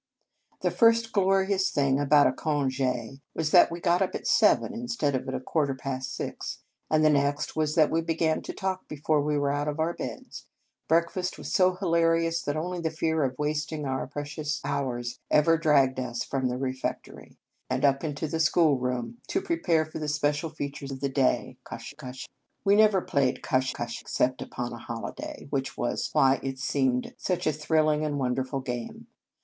The first glorious thing about a conge was that we got up at seven in stead of at quarter past six, and the next was that we began to talk before we were out of our beds. Breakfast was so hilarious that only the fear of wasting our precious hours ever dragged us from the refectory, and up into the schoolroom, to prepare for the 132 Un Conge sans Cloche special feature of the day, cache cache. We never played cache cache except upon a holiday, which was why it seemed such a thrilling and wonder ful game.